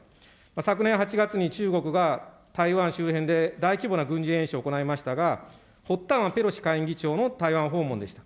昨年８月に中国が台湾周辺で大規模な軍事演習を行いましたが、発端はペロシ下院議長の台湾訪問でした。